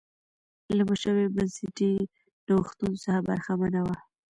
له مشابه بنسټي نوښتونو څخه برخمنه وه.